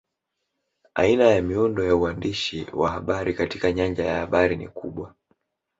Aina ya miundo ya uandishi wa habari katika nyanja ya habari ni kubwa